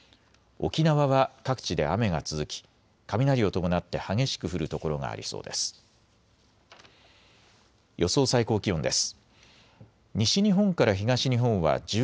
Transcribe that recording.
沖縄は各地で雨が続き雷を伴って激しく降る所がありそうです。